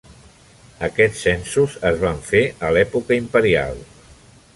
Aquests censos es van fer a l'època imperial.